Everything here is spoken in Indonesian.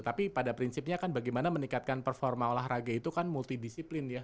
tapi pada prinsipnya kan bagaimana meningkatkan performa olahraga itu kan multidisiplin ya